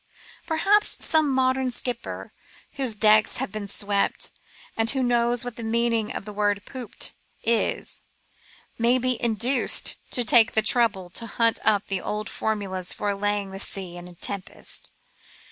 Perhaps some modem skipper, whose decks have been swept, and who knows what the meaning of the word " pooped " is, may be induced to take the trouble to hunt up the old formula for allaying the sea in a tempest.